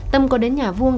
tâm có đến nhà vuông